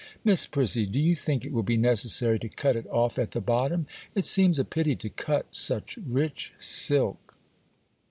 'Miss Prissy, do you think it will be necessary to cut it off at the bottom? It seems a pity to cut such rich silk.